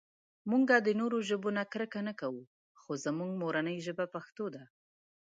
مونږ د نورو ژبو نه کرکه نهٔ کوؤ خو زمونږ مورنۍ ژبه پښتو ده